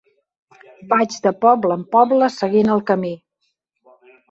Vaig de poble en poble, seguint el camí.